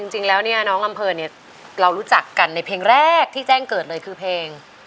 ตอนนี้น้องลำเพลิงเรารู้จักกันในเพลงแรกที่แจ้งเกิดเลยคือเพลง